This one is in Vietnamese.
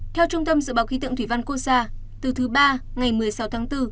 theo trung tâm dự báo khi tượng thủy văn cô sa từ thứ ba ngày một mươi sáu tháng bốn